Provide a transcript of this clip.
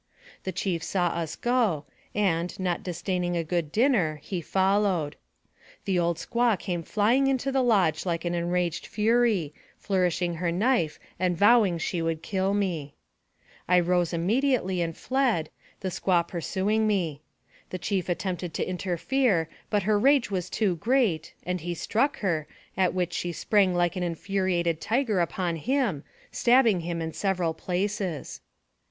The chief saw us go, and, not disdaining a good din ner, he followed. The old squaw came flying into the lodge like an enraged fury, flourishing her knife, and vowing she would kill me. AMONG THE SIOUX INDIANS. 125 I arose immediately and fled, the squaw pursuing me. The chief attempted to interfere, but her rage was too great, and he struck her, at which she sprang like an infuriated tiger upon him, stabbing him in sev eral places.